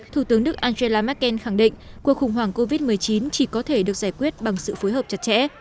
thủ tướng đức angela merkel khẳng định cuộc khủng hoảng covid một mươi chín chỉ có thể được giải quyết bằng sự phối hợp chặt chẽ